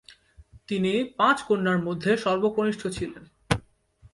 তিনি পাঁচ কন্যার মধ্যে সর্বকনিষ্ঠ ছিলেন।